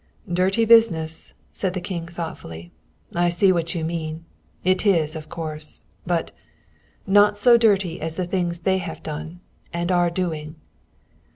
"Dirty business!" said the King thoughtfully. "I see what you mean. It is, of course. But not so dirty as the things they have done, and are doing."